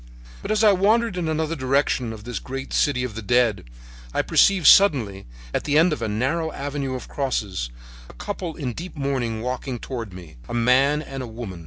"But as I wandered in another direction of this great city of the dead I perceived suddenly, at the end of a narrow avenue of crosses, a couple in deep mourning walking toward me, a man and a woman.